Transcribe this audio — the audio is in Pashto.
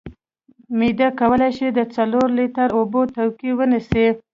معده کولی شي تر څلورو لیترو پورې توکي ونیسي.